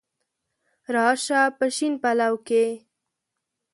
را شه په شین پلو کي